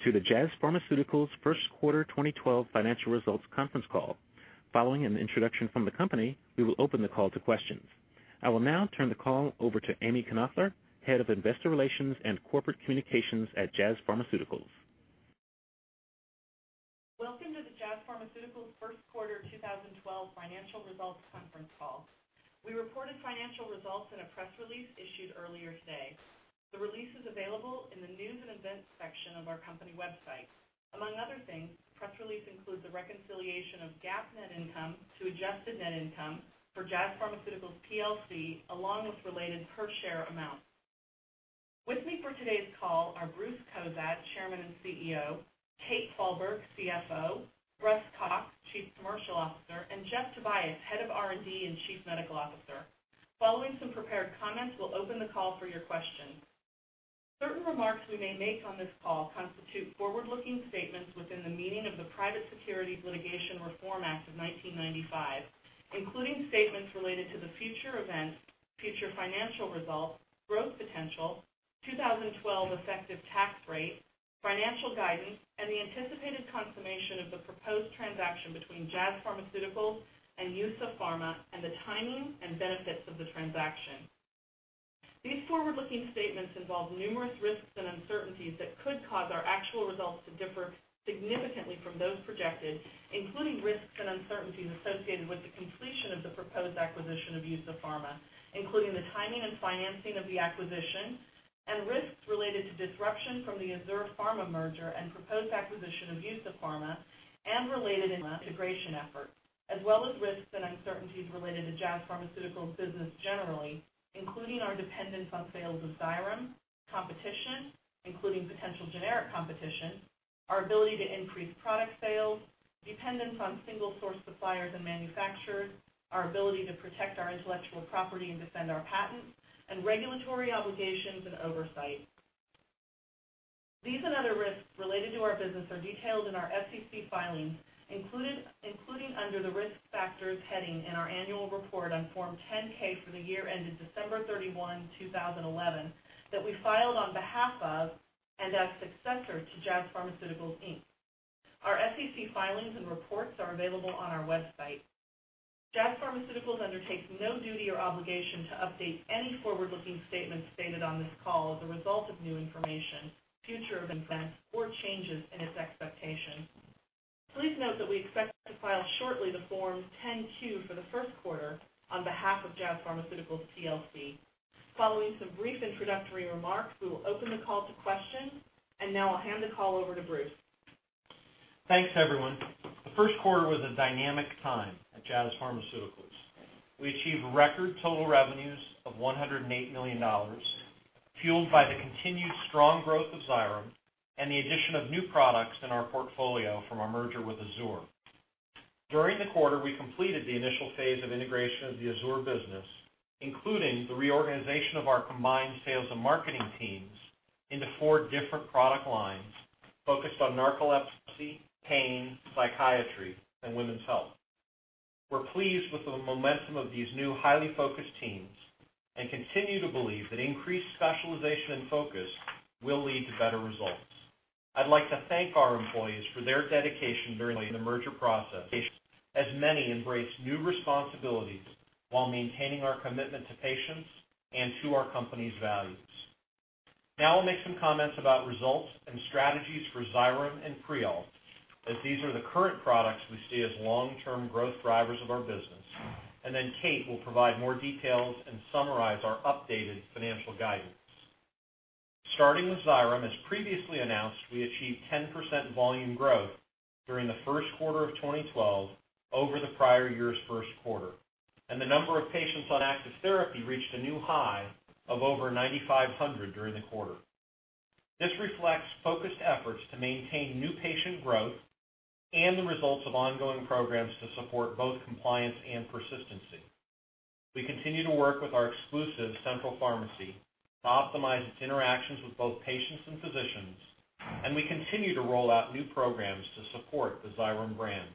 Welcome to the Jazz Pharmaceuticals first quarter 2022 financial results conference call. Following an introduction from the company, we will open the call to questions. I will now turn the call over to Ami Knoefler, Head of Investor Relations and Corporate Communications at Jazz Pharmaceuticals. Welcome to the Jazz Pharmaceuticals first quarter 2012 financial results conference call. We reported financial results in a press release issued earlier today. The release is available in the News & Events section of our company website. Among other things, the press release includes a reconciliation of GAAP net income to adjusted net income for Jazz Pharmaceuticals plc, along with related per share amounts. With me for today's call are Bruce Cozadd, Chairman and CEO, Kate Falberg, CFO, Russ Cox, Chief Commercial Officer, and Jeff Tobias, Head of R&D and Chief Medical Officer. Following some prepared comments, we'll open the call for your questions. Certain remarks we may make on this call constitute forward-looking statements within the meaning of the Private Securities Litigation Reform Act of 1995, including statements related to the future events, future financial results, growth potential, 2012 effective tax rate, financial guidance, and the anticipated consummation of the proposed transaction between Jazz Pharmaceuticals and EUSA Pharma and the timing and benefits of the transaction. These forward-looking statements involve numerous risks and uncertainties that could cause our actual results to differ significantly from those projected, including risks and uncertainties associated with the completion of the proposed acquisition of EUSA Pharma, including the timing and financing of the acquisition and risks related to disruption from the Azur Pharma merger and proposed acquisition of EUSA Pharma and related integration efforts, as well as risks and uncertainties related to Jazz Pharmaceuticals business generally, including our dependence on sales of Xyrem, competition, including potential generic competition, our ability to increase product sales, dependence on single-source suppliers and manufacturers, our ability to protect our intellectual property and defend our patents, and regulatory obligations and oversight. These and other risks related to our business are detailed in our SEC filings, including under the risk factors heading in our annual report on Form 10-K for the year ended December 31, 2011, that we filed on behalf of and as successor to Jazz Pharmaceuticals, Inc. Our SEC filings and reports are available on our website. Jazz Pharmaceuticals undertakes no duty or obligation to update any forward-looking statements stated on this call as a result of new information, future events, or changes in its expectations. Please note that we expect to file shortly the Form 10-Q for the first quarter on behalf of Jazz Pharmaceuticals plc. Following some brief introductory remarks, we will open the call to questions, and now I'll hand the call over to Bruce. Thanks, everyone. The first quarter was a dynamic time at Jazz Pharmaceuticals. We achieved record total revenues of $108 million, fueled by the continued strong growth of Xyrem and the addition of new products in our portfolio from our merger with Azur Pharma. During the quarter, we completed the initial phase of integration of the Azur business, including the reorganization of our combined sales and marketing teams into four different product lines focused on narcolepsy, pain, psychiatry, and women's health. We're pleased with the momentum of these new, highly focused teams and continue to believe that increased specialization and focus will lead to better results. I'd like to thank our employees for their dedication during the merger process, as many embrace new responsibilities while maintaining our commitment to patients and to our company's values. Now I'll make some comments about results and strategies for Xyrem and Prialt, as these are the current products we see as long-term growth drivers of our business, and then Kate will provide more details and summarize our updated financial guidance. Starting with Xyrem, as previously announced, we achieved 10% volume growth during the first quarter of 2012 over the prior year's first quarter, and the number of patients on active therapy reached a new high of over 9,500 during the quarter. This reflects focused efforts to maintain new patient growth and the results of ongoing programs to support both compliance and persistency. We continue to work with our exclusive central pharmacy to optimize its interactions with both patients and physicians, and we continue to roll out new programs to support the Xyrem brand.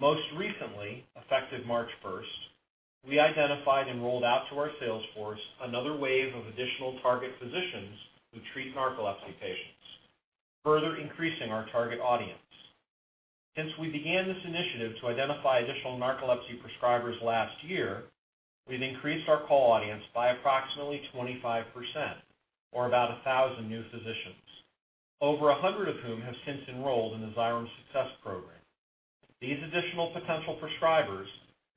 Most recently, effective March 1st, we identified and rolled out to our sales force another wave of additional target physicians who treat narcolepsy patients, further increasing our target audience. Since we began this initiative to identify additional narcolepsy prescribers last year, we've increased our call audience by approximately 25% or about 1,000 new physicians, over 100 of whom have since enrolled in the Xyrem Success Program. These additional potential prescribers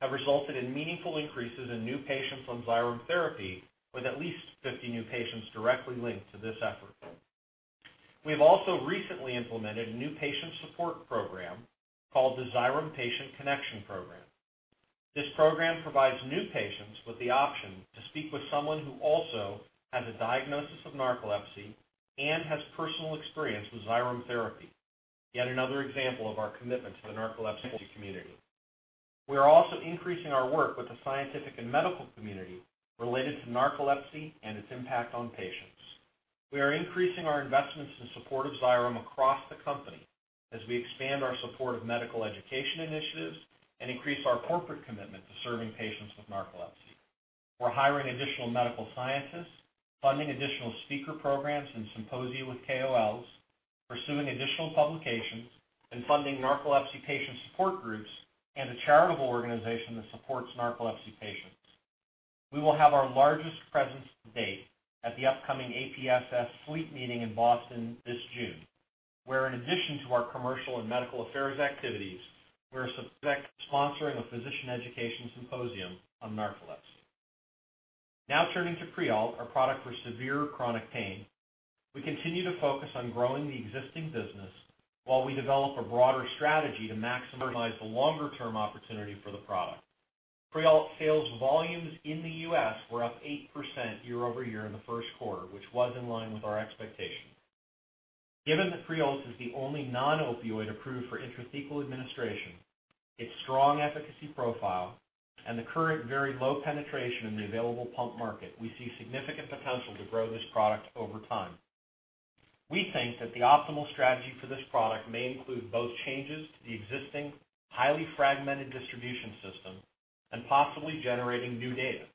have resulted in meaningful increases in new patients on Xyrem therapy, with at least 50 new patients directly linked to this effort. We have also recently implemented a new patient support program called the Xyrem Patient Connection Program. This program provides new patients with the option to speak with someone who also has a diagnosis of narcolepsy and has personal experience with Xyrem therapy. Yet another example of our commitment to the narcolepsy community. We are also increasing our work with the scientific and medical community related to narcolepsy and its impact on patients. We are increasing our investments in support of Xyrem across the company as we expand our support of medical education initiatives and increase our corporate commitment to serving patients with narcolepsy. We're hiring additional medical scientists, funding additional speaker programs and symposia with KOLs, pursuing additional publications, and funding narcolepsy patient support groups and a charitable organization that supports narcolepsy patients. We will have our largest presence to date at the upcoming APSS SLEEP meeting in Boston this June, where in addition to our commercial and medical affairs activities, we are sponsoring a physician education symposium on narcolepsy. Now turning to Prialt, our product for severe chronic pain. We continue to focus on growing the existing business while we develop a broader strategy to maximize the longer-term opportunity for the product. Prialt sales volumes in the U.S. were up 8% year-over-year in the first quarter, which was in line with our expectations. Given that Prialt is the only non-opioid approved for intrathecal administration, its strong efficacy profile and the current very low penetration in the available pump market, we see significant potential to grow this product over time. We think that the optimal strategy for this product may include both changes to the existing highly fragmented distribution system and possibly generating new data.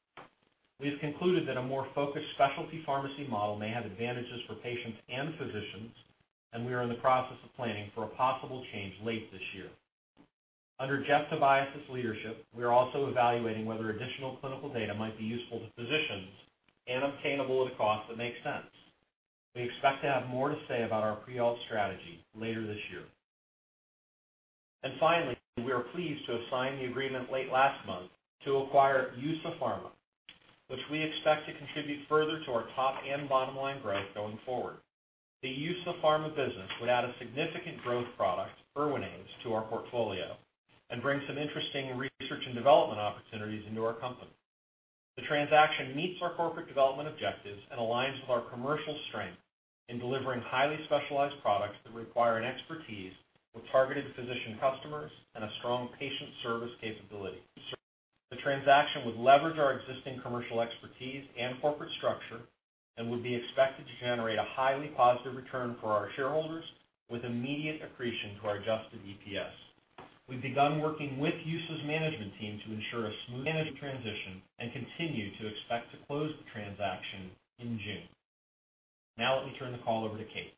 We have concluded that a more focused specialty pharmacy model may have advantages for patients and physicians, and we are in the process of planning for a possible change late this year. Under Jeff Tobias' leadership, we are also evaluating whether additional clinical data might be useful to physicians and obtainable at a cost that makes sense. We expect to have more to say about our portfolio strategy later this year. Finally, we are pleased to have signed the agreement late last month to acquire EUSA Pharma, which we expect to contribute further to our top and bottom-line growth going forward. The EUSA Pharma business would add a significant growth product, Erwinaze, to our portfolio and bring some interesting research and development opportunities into our company. The transaction meets our corporate development objectives and aligns with our commercial strength in delivering highly specialized products that require an expertise with targeted physician customers and a strong patient service capability. The transaction would leverage our existing commercial expertise and corporate structure and would be expected to generate a highly positive return for our shareholders with immediate accretion to our adjusted EPS. We've begun working with EUSA's management team to ensure a smooth transition and continue to expect to close the transaction in June. Now let me turn the call over to Kate.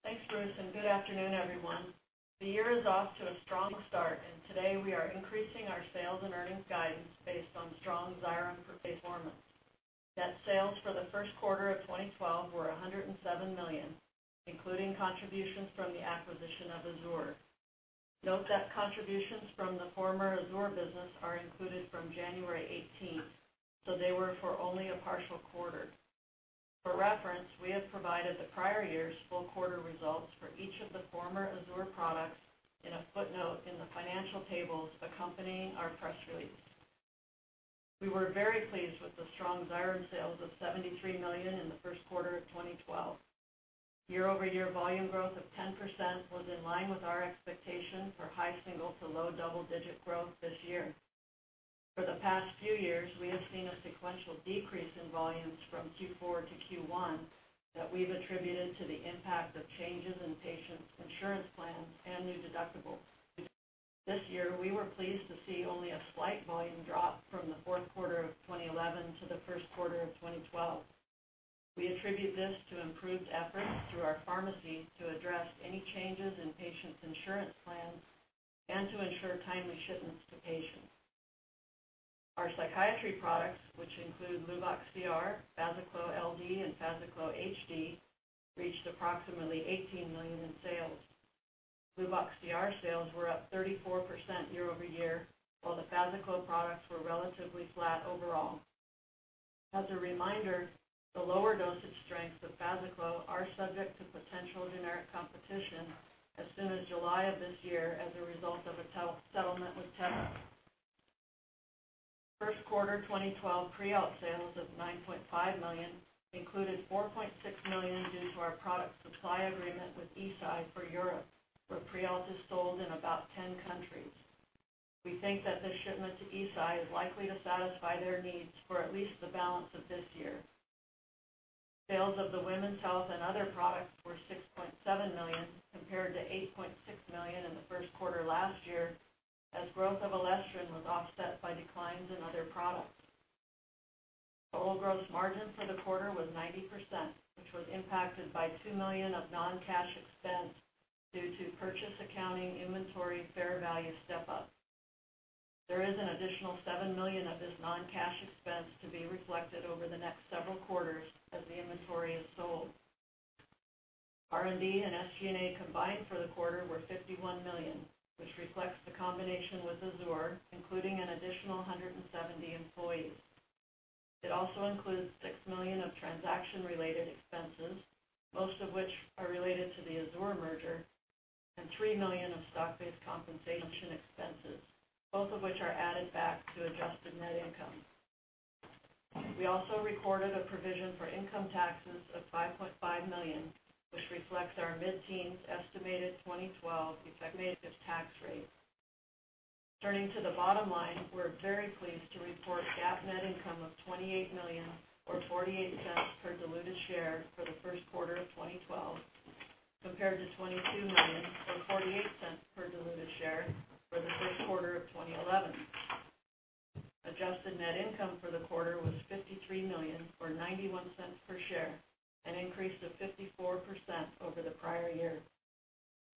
Thanks, Bruce, and good afternoon, everyone. The year is off to a strong start, and today we are increasing our sales and earnings guidance based on strong Xyrem performance. Net sales for the first quarter of 2012 were $107 million, including contributions from the acquisition of Azur. Note that contributions from the former Azur business are included from January 18th, so they were for only a partial quarter. For reference, we have provided the prior year's full quarter results for each of the former Azur products in a footnote in the financial tables accompanying our press release. We were very pleased with the strong Xyrem sales of $73 million in the first quarter of 2012. Year-over-year volume growth of 10% was in line with our expectation for high single- to low double-digit growth this year. For the past few years, we have seen a sequential decrease in volumes from Q4 to Q1 that we've attributed to the impact of changes in patients' insurance plans and new deductibles. This year, we were pleased to see only a slight volume drop from the fourth quarter of 2011 to the first quarter of 2012. We attribute this to improved efforts through our pharmacy to address any changes in patients' insurance plans and to ensure timely shipments to patients. Our psychiatry products, which include LUVOX CR, FazaClo LD, and FazaClo HD, reached approximately $18 million in sales. LUVOX CR sales were up 34% year-over-year, while the FazaClo products were relatively flat overall. As a reminder, the lower dosage strengths of FazaClo are subject to potential generic competition as soon as July of this year as a result of a settlement with Teva. First quarter 2012 Prialt sales of $9.5 million included $4.6 million due to our product supply agreement with Eisai for Europe, where Prialt is sold in about 10 countries. We think that this shipment to Eisai is likely to satisfy their needs for at least the balance of this year. Sales of the women's health and other products were $6.7 million compared to $8.6 million in the first quarter last year, as growth of Elestrin was offset by declines in other products. The overall gross margin for the quarter was 90%, which was impacted by $2 million of non-cash expense due to purchase accounting inventory fair value step-up. There is an additional $7 million of this non-cash expense to be reflected over the next several quarters as the inventory is sold. R&D and SG&A combined for the quarter were $51 million, which reflects the combination with Azur, including an additional 170 employees. It also includes $6 million of transaction-related expenses, most of which are related to the Azur merger, and $3 million of stock-based compensation expenses, both of which are added back to adjusted net income. We also recorded a provision for income taxes of $5.5 million, which reflects our mid-teens estimated 2012 effective tax rate. Turning to the bottom line, we're very pleased to report GAAP net income of $28 million or $0.48 per diluted share for the first quarter of 2012. Compared to $22 million or $0.48 per diluted share for the first quarter of 2011. Adjusted net income for the quarter was $53 million or $0.91 per share, an increase of 54% over the prior year.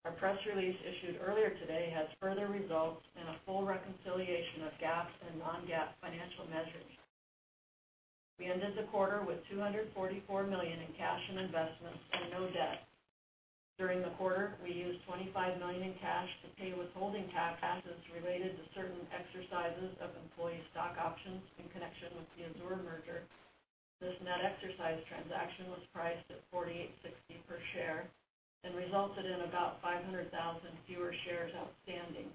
Our press release issued earlier today has further results and a full reconciliation of GAAP and non-GAAP financial measures. We ended the quarter with $244 million in cash and investments and no debt. During the quarter, we used $25 million in cash to pay withholding tax assets related to certain exercises of employee stock options in connection with the Azur merger. This net exercise transaction was priced at $48.60 per share and resulted in about 500,000 fewer shares outstanding.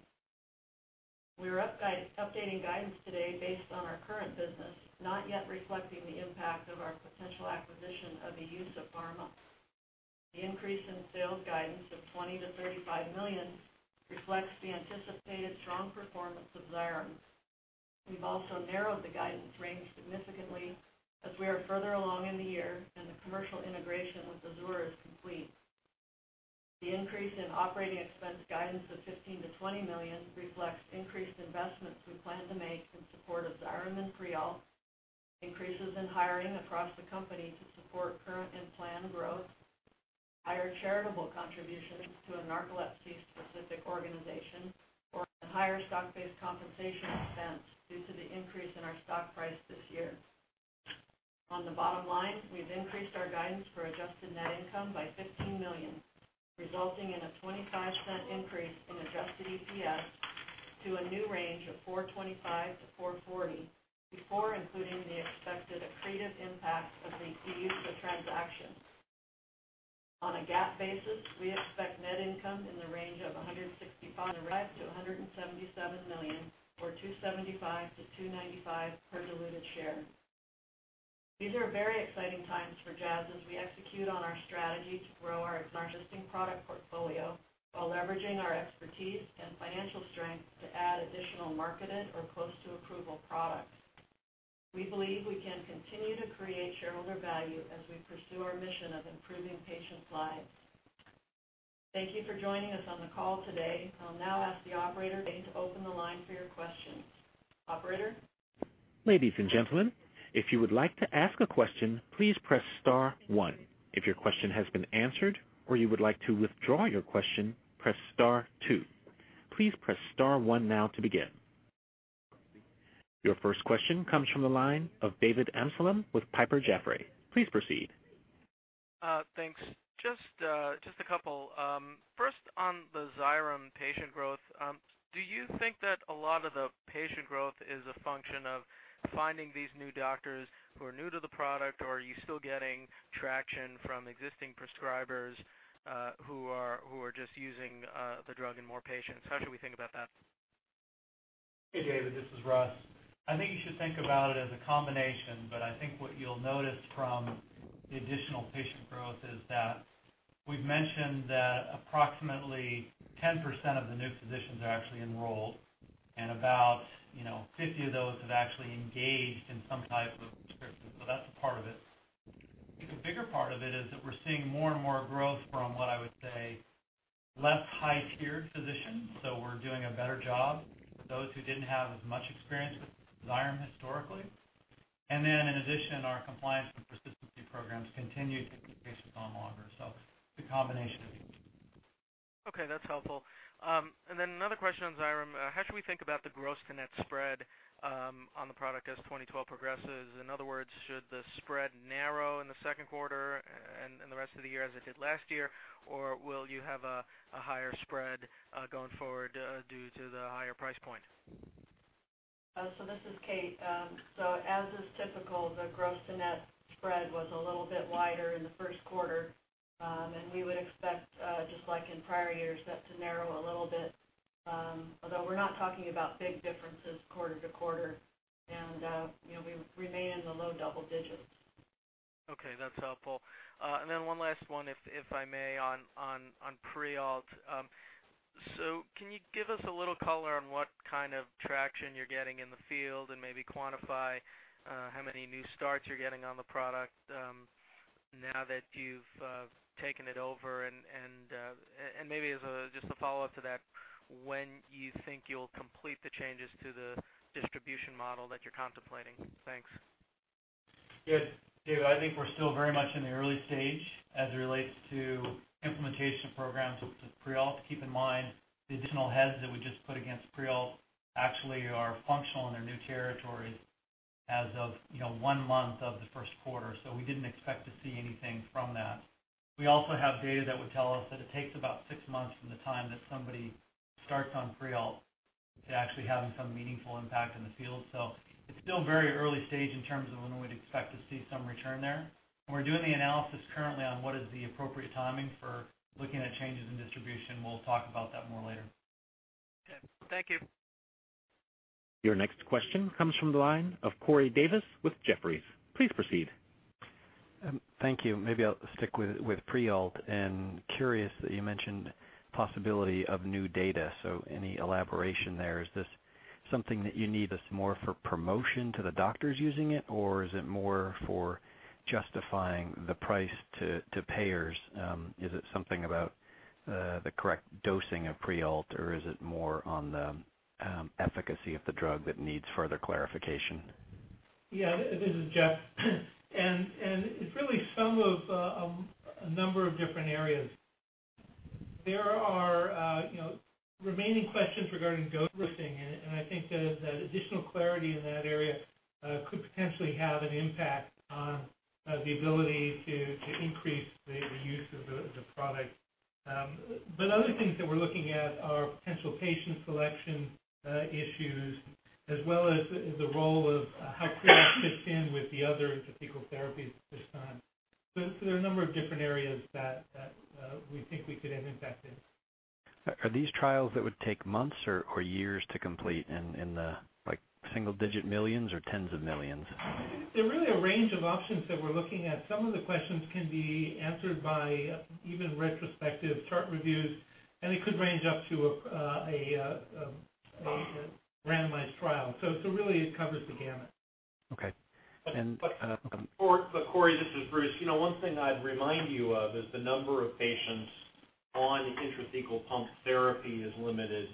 We're updating guidance today based on our current business, not yet reflecting the impact of our potential acquisition of EUSA Pharma. The increase in sales guidance of $20 million-$35 million reflects the anticipated strong performance of Xyrem. We've also narrowed the guidance range significantly as we are further along in the year and the commercial integration with Azur is complete. The increase in operating expense guidance of $15 million-$20 million reflects increased investments we plan to make in support of Xyrem and Prialt, increases in hiring across the company to support current and planned growth, higher charitable contributions to a narcolepsy specific organization, or higher stock-based compensation expense due to the increase in our stock price this year. On the bottom line, we've increased our guidance for adjusted net income by $15 million, resulting in a $0.25 increase in adjusted EPS to a new range of $4.25-$4.40 before including the expected accretive impact of the EUSA transaction. On a GAAP basis, we expect net income in the range of $165 million-$177 million or $2.75-$2.95 per diluted share. These are very exciting times for Jazz as we execute on our strategy to grow our existing product portfolio while leveraging our expertise and financial strength to add additional marketed or close to approval products. We believe we can continue to create shareholder value as we pursue our mission of improving patients' lives. Thank you for joining us on the call today. I'll now ask the operator to open the line for your questions. Operator? Ladies and gentlemen, if you would like to ask a question, please press star one. If your question has been answered or you would like to withdraw your question, press star two. Please press star one now to begin. Your first question comes from the line of David Amsellem with Piper Jaffray. Please proceed. Thanks. Just a couple. First on the Xyrem patient growth. Do you think that a lot of the patient growth is a function of finding these new doctors who are new to the product, or are you still getting traction from existing prescribers, who are just using the drug in more patients? How should we think about that? Hey, David, this is Russ. I think you should think about it as a combination, but I think what you'll notice from the additional patient growth is that we've mentioned that approximately 10% of the new physicians are actually enrolled and about, you know, 50 of those have actually engaged in some type of prescription, so that's a part of it. I think a bigger part of it is that we're seeing more and more growth from what I would say, less high-tiered physicians. We're doing a better job with those who didn't have as much experience with Xyrem historically. Then in addition, our compliance and persistency programs continued to keep patients on longer. It's a combination of these. Okay, that's helpful. Another question on Xyrem. How should we think about the gross-to-net spread on the product as 2012 progresses? In other words, should the spread narrow in the second quarter and the rest of the year as it did last year, or will you have a higher spread going forward due to the higher price point? This is Kate. As is typical, the gross-to-net spread was a little bit wider in the first quarter. We would expect, just like in prior years, that to narrow a little bit, although we're not talking about big differences quarter to quarter and, you know, we remain in the low double digits. Okay, that's helpful. Then one last one, if I may, on Prialt. Can you give us a little color on what kind of traction you're getting in the field and maybe quantify how many new starts you're getting on the product now that you've taken it over? Maybe as just a follow-up to that, when you think you'll complete the changes to the distribution model that you're contemplating? Thanks. Yeah. David, I think we're still very much in the early stage as it relates to implementation programs with Prialt. Keep in mind, the additional heads that we just put against Prialt actually are functional in their new territories as of, you know, one month of the first quarter. So we didn't expect to see anything from that. We also have data that would tell us that it takes about six months from the time that somebody starts on Prialt to actually having some meaningful impact in the field. So it's still very early stage in terms of when we'd expect to see some return there. We're doing the analysis currently on what is the appropriate timing for looking at changes in distribution. We'll talk about that more later. Okay. Thank you. Your next question comes from the line of Corey Davis with Jefferies. Please proceed. Thank you. Maybe I'll stick with Prialt. Curious that you mentioned possibility of new data. Any elaboration there? Is this something that you need is more for promotion to the doctors using it, or is it more for justifying the price to payers? Is it something about the correct dosing of Prialt or is it more on the efficacy of the drug that needs further clarification? Yeah. This is Jeff. It's really some of a number of different areas. There are, you know, remaining questions regarding dosing, and I think that additional clarity in that area could potentially have an impact on the ability to increase the use of the product. But other things that we're looking at are potential patient selection issues as well as the role of how Prialt fits in with the other intrathecal therapies at this time. There are a number of different areas that we think we could have impacted. Are these trials that would take months or years to complete in the, like, single digit millions or tens of millions? They're really a range of options that we're looking at. Some of the questions can be answered by even retrospective chart reviews, and it could range up to a randomized trial. Really it covers the gamut. Okay. Corey, this is Bruce. You know, one thing I'd remind you of is the number of patients on intrathecal pump therapy is limited.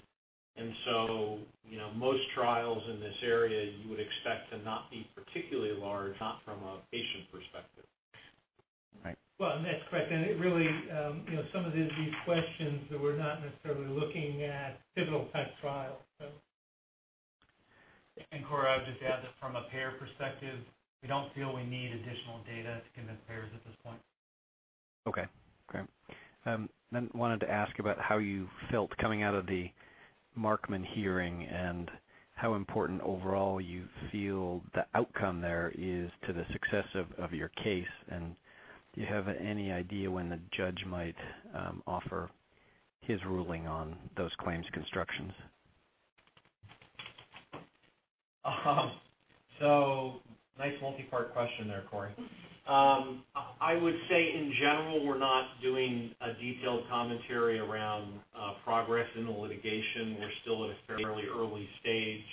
You know, most trials in this area you would expect to not be particularly large, not from a patient perspective. All right. Well, that's correct. It really, you know, some of these questions that we're not necessarily looking at pivotal type trials. Corey, I would just add that from a payer perspective, we don't feel we need additional data to convince payers at this point. Okay. Wanted to ask about how you felt coming out of the Markman hearing and how important overall you feel the outcome there is to the success of your case. Do you have any idea when the judge might offer his ruling on those claim constructions? Nice multi-part question there, Corey. I would say in general, we're not doing a detailed commentary around progress in the litigation. We're still at a fairly early stage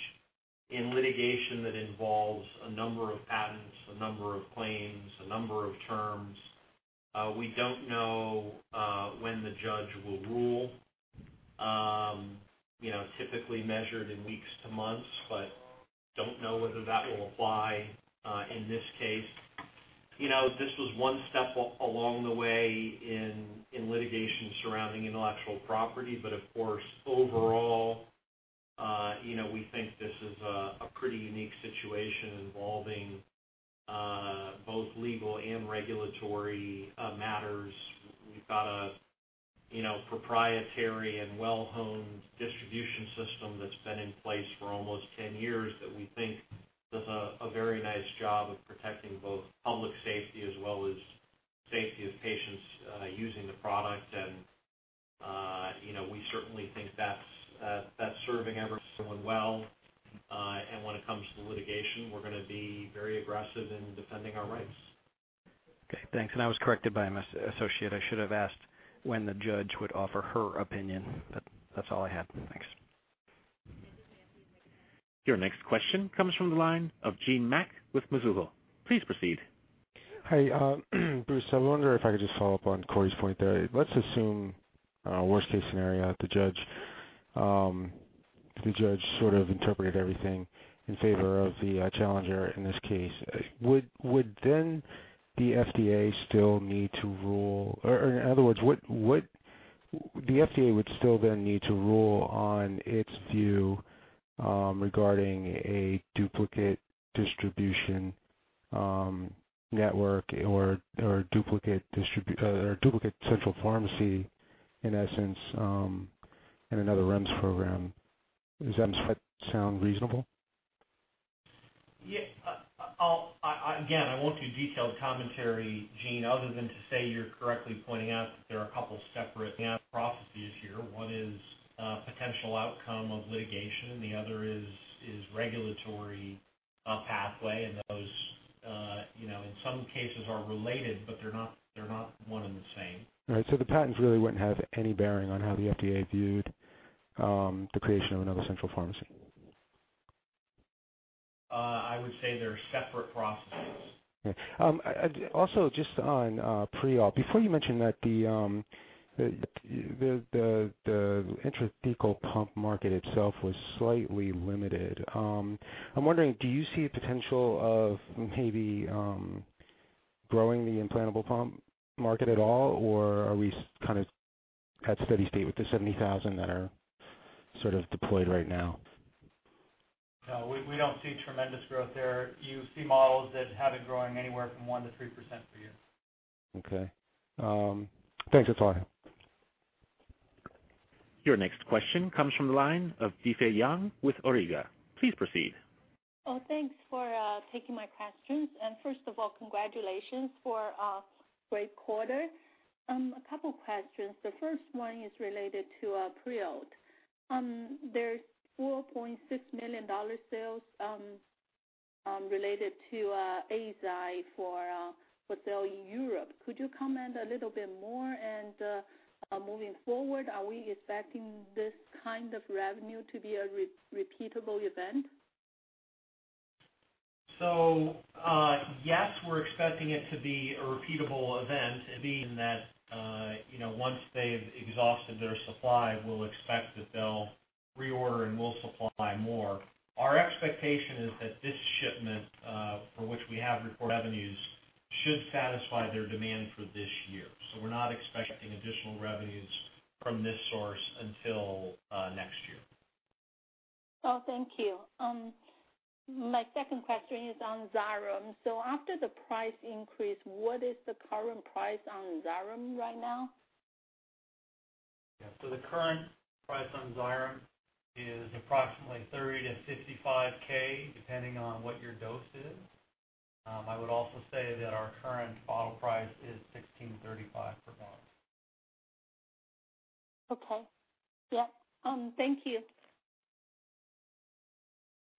in litigation that involves a number of patents, a number of claims, a number of terms. We don't know when the judge will rule. You know, typically measured in weeks to months, but don't know whether that will apply in this case. You know, this was one step along the way in litigation surrounding intellectual property. Of course, overall, you know, we think this is a pretty unique situation involving both legal and regulatory matters. We've got you know, proprietary and well-honed distribution system that's been in place for almost 10 years that we think does a very nice job of protecting both public safety as well as safety of patients using the product. You know, we certainly think that's serving everyone well. When it comes to litigation, we're gonna be very aggressive in defending our rights. Okay, thanks. I was corrected by my associate. I should have asked when the judge would offer her opinion. That's all I had. Thanks. Your next question comes from the line of Gene Mack with Mizuho. Please proceed. Hi, Bruce. I wonder if I could just follow up on Corey's point there. Let's assume worst case scenario. The judge sort of interpreted everything in favor of the challenger in this case. Would the FDA still need to rule? Or in other words, the FDA would still then need to rule on its view regarding a duplicate distribution network or duplicate central pharmacy, in essence, in another REMS program. Does that sound reasonable? Yeah. Again, I won't do detailed commentary, Gene, other than to say you're correctly pointing out that there are a couple separate processes here. One is potential outcome of litigation, the other is regulatory pathway. Those, you know, in some cases are related, but they're not one and the same. All right. The patents really wouldn't have any bearing on how the FDA viewed the creation of another central pharmacy? I would say they're separate processes. Okay. Also just on Prialt. Before you mentioned that the intrathecal pump market itself was slightly limited. I'm wondering, do you see a potential of maybe growing the implantable pump market at all, or are we kind of at steady state with the 70,000 that are sort of deployed right now? No, we don't see tremendous growth there. You see models that have it growing anywhere from 1%-3% per year. Okay. Thanks. That's all I have. Your next question comes from the line of Difei Yang with Auriga. Please proceed. Thanks for taking my questions. First of all, congratulations for a great quarter. A couple questions. The first one is related to Prialt. There's $4.6 million sales. Related to Eisai for sale in Europe. Could you comment a little bit more? Moving forward, are we expecting this kind of revenue to be a repeatable event? Yes, we're expecting it to be a repeatable event in being that, you know, once they've exhausted their supply, we'll expect that they'll reorder, and we'll supply more. Our expectation is that this shipment, for which we have reported revenues, should satisfy their demand for this year. We're not expecting additional revenues from this source until next year. Oh, thank you. My second question is on Xyrem. After the price increase, what is the current price on Xyrem right now? The current price on Xyrem is approximately $30,000-$55,000 depending on what your dose is. I would also say that our current bottle price is $1,635 per bottle. Okay. Yeah. Thank you.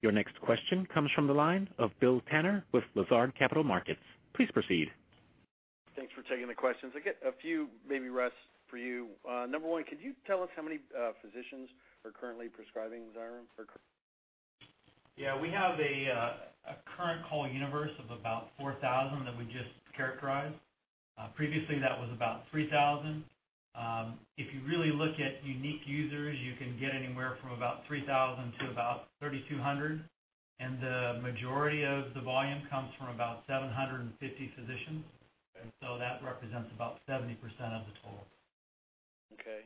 Your next question comes from the line of Bill Tanner with Lazard Capital Markets. Please proceed. Thanks for taking the questions. I got a few maybe Russ for you. Number one, could you tell us how many physicians are currently prescribing Xyrem for? Yeah. We have a current call universe of about 4,000 that we just characterized. Previously that was about 3,000. If you really look at unique users, you can get anywhere from about 3,000 to about 3,200, and the majority of the volume comes from about 750 physicians. That represents about 70% of the total. Okay.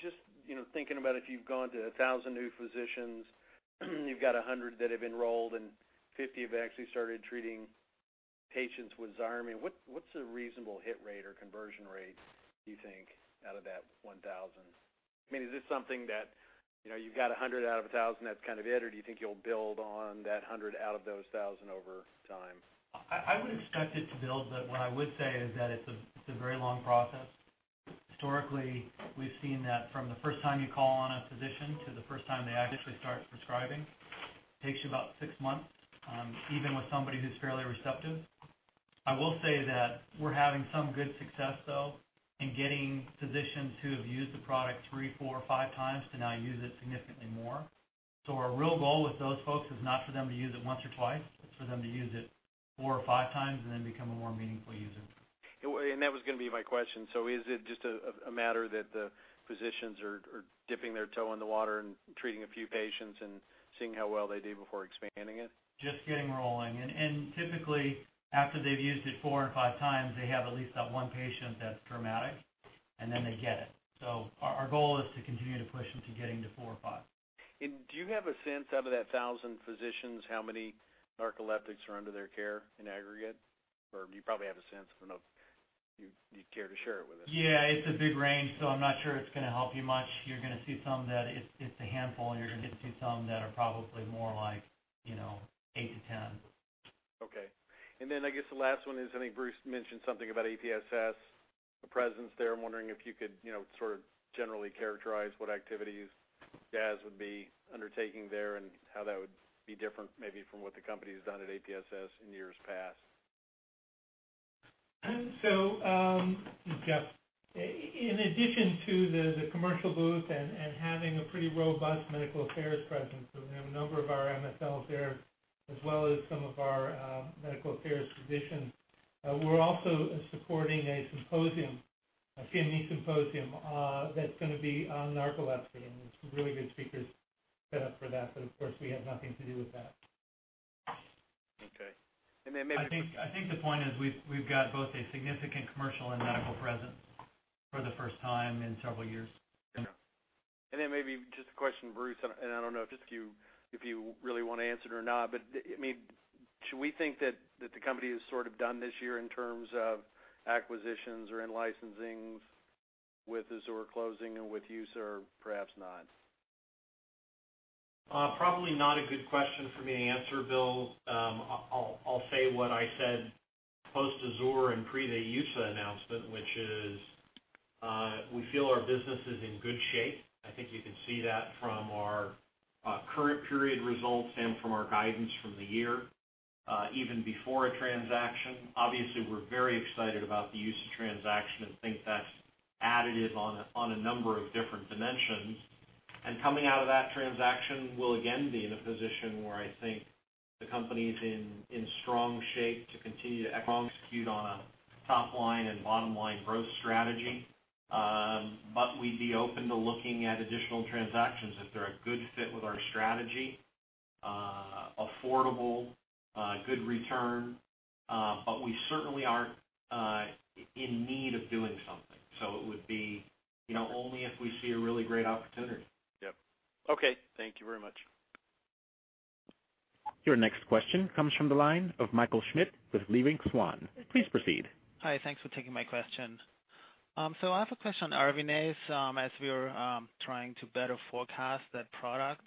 Just, you know, thinking about if you've gone to 1,000 new physicians, you've got 100 that have enrolled and 50 have actually started treating patients with Xyrem, what's a reasonable hit rate or conversion rate you think out of that 1,000? I mean, is this something that, you know, you've got 100 out of 1,000 that's kind of it, or do you think you'll build on that 100 out of those 1,000 over time? I would expect it to build, but what I would say is that it's a very long process. Historically, we've seen that from the first time you call on a physician to the first time they actually start prescribing takes you about six months, even with somebody who's fairly receptive. I will say that we're having some good success, though, in getting physicians who have used the product 3x, 4x, 5x to now use it significantly more. Our real goal with those folks is not for them to use it once or twice, it's for them to use it 4x or 5x and then become a more meaningful user. That was gonna be my question. Is it just a matter that the physicians are dipping their toe in the water and treating a few patients and seeing how well they do before expanding it? Just getting rolling. Typically, after they've used it 4x or 5x, they have at least that one patient that's dramatic, and then they get it. Our goal is to continue to push them to getting to four or five. Do you have a sense out of that 1,000 physicians, how many narcoleptics are under their care in aggregate? Or do you probably have a sense, but don't care to share it with us? Yeah. It's a big range, so I'm not sure it's gonna help you much. You're gonna see some that it's a handful, and you're gonna see some that are probably more like, you know, 8-10. Okay. I guess the last one is, I think Bruce mentioned something about APSS, the presence there. I'm wondering if you could, you know, sort of generally characterize what activities Jazz would be undertaking there and how that would be different maybe from what the company's done at APSS in years past. Jeff. In addition to the commercial booth and having a pretty robust medical affairs presence, we have a number of our MSLs there, as well as some of our medical affairs physicians. We're also supporting a symposium, a CME symposium, that's gonna be on narcolepsy. There's some really good speakers set up for that, but of course, we have nothing to do with that. Okay. I think the point is we've got both a significant commercial and medical presence for the first time in several years. Maybe just a question, Bruce, and I don't know if you really wanna answer it or not, but, I mean, should we think that the company is sort of done this year in terms of acquisitions or in licensings with the Azur closing and with EUSA or perhaps not? Probably not a good question for me to answer, Bill. I'll say what I said post Azur and pre the EUSA announcement, which is, we feel our business is in good shape. I think you can see that from our current period results and from our guidance for the year, even before a transaction. Obviously, we're very excited about the EUSA transaction and think that's additive on a number of different dimensions. Coming out of that transaction, we'll again be in a position where I think the company's in strong shape to continue to execute on a top line and bottom line growth strategy. We'd be open to looking at additional transactions if they're a good fit with our strategy, affordable, good return. We certainly aren't in need of doing something. It would be, you know, only if we see a really great opportunity. Yep. Okay. Thank you very much. Your next question comes from the line of Michael Schmidt with Leerink Swann. Please proceed. Hi. Thanks for taking my question. I have a question on Erwinaze, as we are trying to better forecast that product.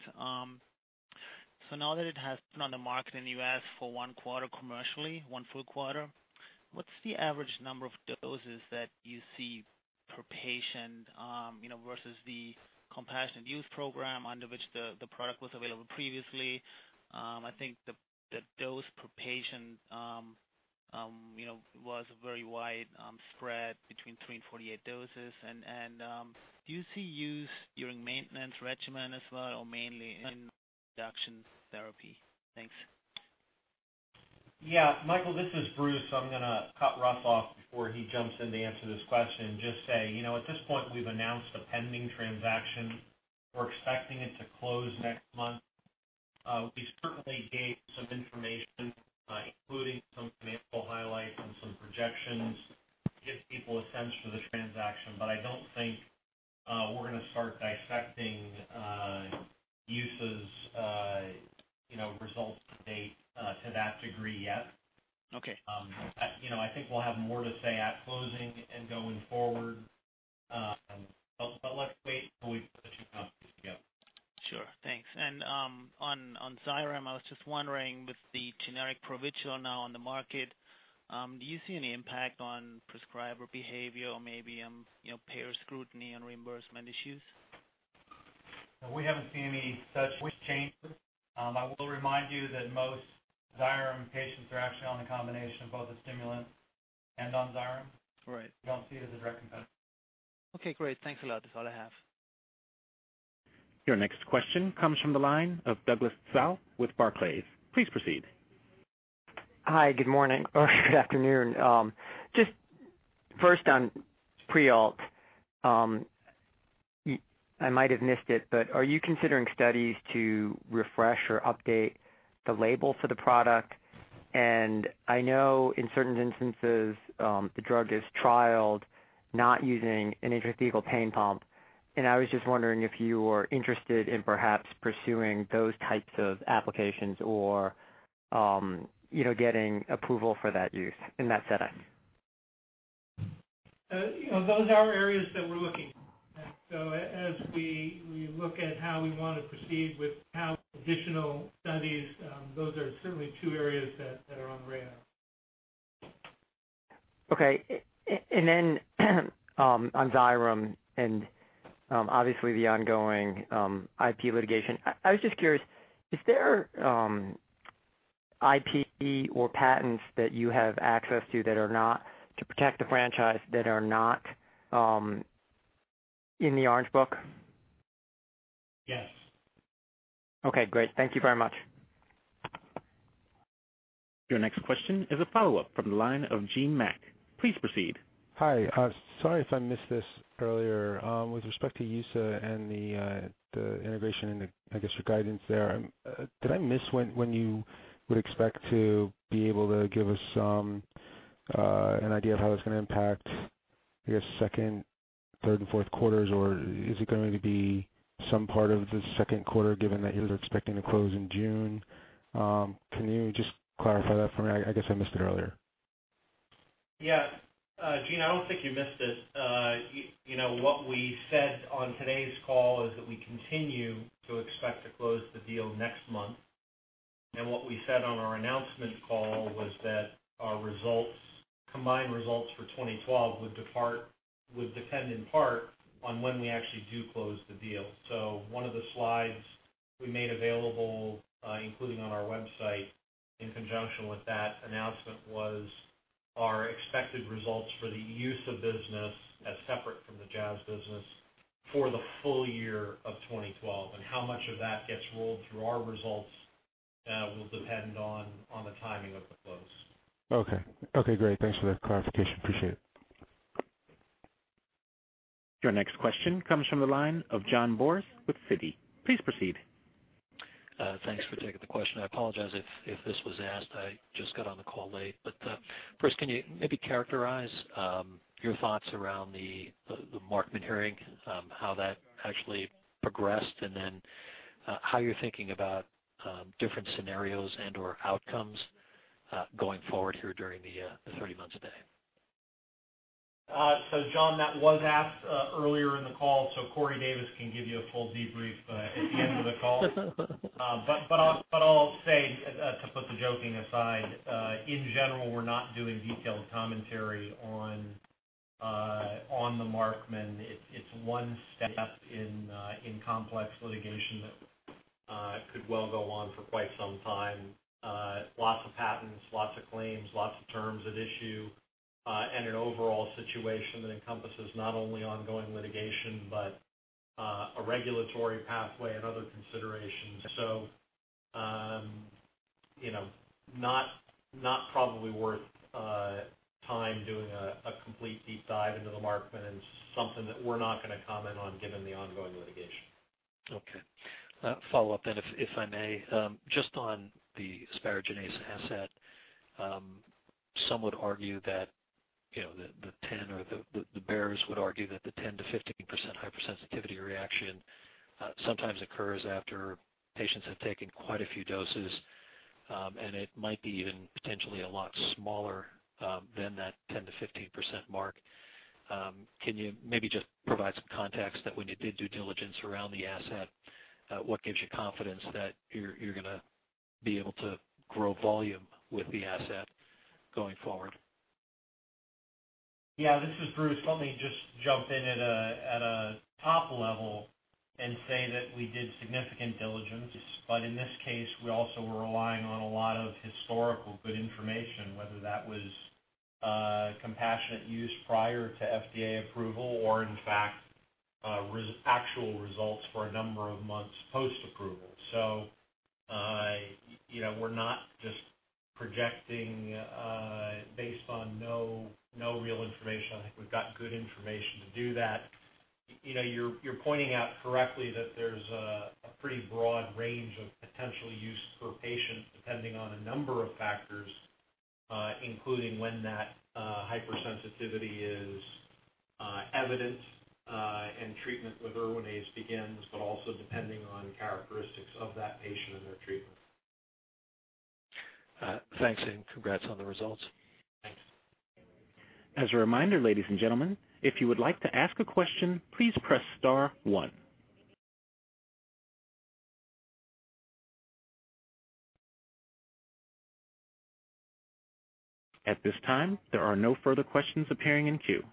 Now that it has been on the market in U.S. for one quarter commercially, one full quarter. What's the average number of doses that you see per patient, you know, versus the compassionate use program under which the product was available previously? I think the dose per patient, you know, was very widespread between three and 48 doses. Do you see use during maintenance regimen as well, or mainly in induction therapy? Thanks. Yeah. Michael, this is Bruce. I'm gonna cut Russ off before he jumps in to answer this question. Just say, you know, at this point, we've announced a pending transaction. We're expecting it to close next month. We certainly gave some information, including some financial highlights and some projections to give people a sense for the transaction, but I don't think we're gonna start dissecting, you know, results to date to that degree yet. Okay. You know, I think we'll have more to say at closing and going forward, but let's wait till we put the two companies together. Sure. Thanks. On Xyrem, I was just wondering, with the generic Provigil now on the market, do you see any impact on prescriber behavior or maybe, you know, payer scrutiny and reimbursement issues? No, we haven't seen any such changes. I will remind you that most Xyrem patients are actually on a combination of both the stimulant and on Xyrem. Right. We don't see it as a direct competitor. Okay, great. Thanks a lot. That's all I have. Your next question comes from the line of Douglas Tsao with Barclays. Please proceed. Hi. Good morning or good afternoon. Just first on Prialt. I might have missed it, but are you considering studies to refresh or update the label for the product? I know in certain instances, the drug is trialed not using an intrathecal pain pump, and I was just wondering if you were interested in perhaps pursuing those types of applications or, you know, getting approval for that use in that setting. You know, those are areas that we're looking at. As we look at how we wanna proceed with how additional studies, those are certainly two areas that are on the radar. On Xyrem and obviously the ongoing IP litigation, I was just curious, is there IP or patents that you have access to that are not to protect the franchise, that are not in the Orange Book? Yes. Okay, great. Thank you very much. Your next question is a follow-up from the line of Gene Mack. Please proceed. Hi. Sorry if I missed this earlier. With respect to EUSA and the integration and, I guess, your guidance there, did I miss when you would expect to be able to give us some an idea of how it's gonna impact, I guess, second, third, and fourth quarters? Or is it going to be some part of the second quarter, given that you're expecting to close in June? Can you just clarify that for me? I guess I missed it earlier. Yeah. Gene, I don't think you missed it. You know, what we said on today's call is that we continue to expect to close the deal next month. What we said on our announcement call was that our combined results for 2012 would depend in part on when we actually do close the deal. One of the slides we made available, including on our website in conjunction with that announcement, was our expected results for the EUSA business as separate from the Jazz business for the full year of 2012. How much of that gets rolled through our results will depend on the timing of the close. Okay. Okay, great. Thanks for that clarification. Appreciate it. Your next question comes from the line of John Boris with Citi. Please proceed. Thanks for taking the question. I apologize if this was asked. I just got on the call late. First, can you maybe characterize your thoughts around the Markman hearing, how that actually progressed and then, how you're thinking about different scenarios and/or outcomes, going forward here during the 30 months ahead? John, that was asked earlier in the call. Corey Davis can give you a full debrief at the end of the call. I'll say to put the joking aside. In general, we're not doing detailed commentary on the Markman. It's one step in complex litigation that could well go on for quite some time. Lots of patents, lots of claims, lots of terms at issue, and an overall situation that encompasses not only ongoing litigation, but a regulatory pathway and other considerations. You know, not probably worth time doing a complete deep dive into the Markman, and something that we're not gonna comment on given the ongoing litigation. Okay. Follow-up, if I may. Just on the asparaginase asset, some would argue that, you know, the bears would argue that the 10%-15% hypersensitivity reaction sometimes occurs after patients have taken quite a few doses, and it might be even potentially a lot smaller than that 10%-15% mark. Can you maybe just provide some context that when you did due diligence around the asset, what gives you confidence that you're gonna be able to grow volume with the asset going forward? Yeah, this is Bruce. Let me just jump in at a top level and say that we did significant diligence, but in this case, we also were relying on a lot of historical good information, whether that was compassionate use prior to FDA approval or in fact actual results for a number of months post-approval. You know, we're not just projecting based on no real information. I think we've got good information to do that. You know, you're pointing out correctly that there's a pretty broad range of potential use per patient, depending on a number of factors, including when that hypersensitivity is evident and treatment with Erwinaze begins, but also depending on characteristics of that patient and their treatment. Thanks, and congrats on the results. Thanks. As a reminder, ladies and gentlemen, if you would like to ask a question, please press star one. At this time, there are no further questions appearing in queue.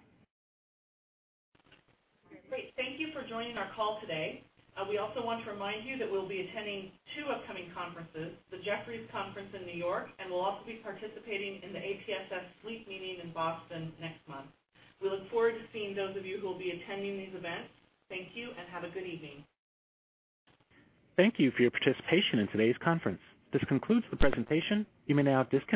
Great. Thank you for joining our call today. We also want to remind you that we'll be attending two upcoming conferences, the Jefferies conference in New York, and we'll also be participating in the APSS SLEEP Meeting in Boston next month. We look forward to seeing those of you who will be attending these events. Thank you and have a good evening. Thank you for your participation in today's conference. This concludes the presentation. You may now disconnect.